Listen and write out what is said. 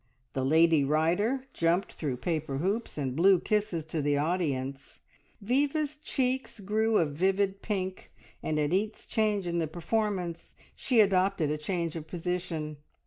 the lady rider jumped through paper hoops, and blew kisses to the audience. Viva's cheeks grew a vivid pink, and at each change in the performance she adopted a change of position.